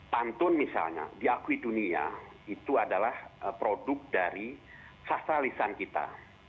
pantun misalnya diakui dunia itu adalah produk dari sastralisan kita